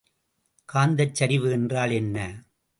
காந்தச்சரிவு என்றால் என்ன?